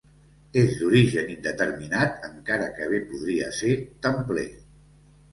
És d'origen indeterminat encara que bé podria ser templer.